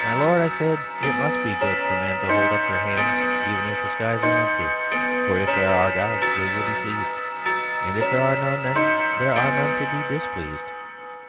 "'My Lord,' I said, 'it must be good for men to hold up their hands even if the skies are empty. For if there are gods, they will be pleased, and if there are none, then there are none to be displeased.